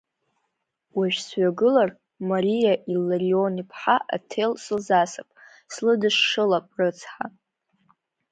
Уажә сҩагылар, Мариа Илларион-иԥҳа аҭел сылзасып, слыдышшылап, рыцҳа.